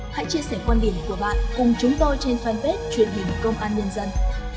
hãy chia sẻ quan điểm của bạn cùng chúng tôi trên fanpage truyền hình công an nhân dân